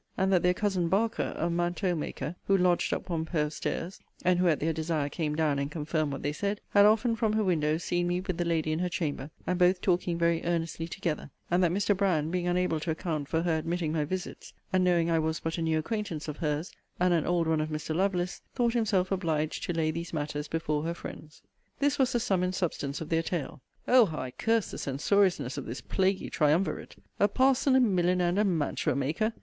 And that their cousin Barker, a manteau maker, who lodged up one pair of stairs,' (and who, at their desire, came down and confirmed what they said,) 'had often, from her window, seen me with the lady in her chamber, and both talking very earnestly together; and that Mr. Brand, being unable to account for her admiring my visits, and knowing I was but a new acquaintance of her's, and an old one of Mr. Lovelace, thought himself obliged to lay these matters before her friends.' This was the sum and substance of their tale. O how I cursed the censoriousness of this plaguy triumvirate! A parson, a milliner, and a mantua maker!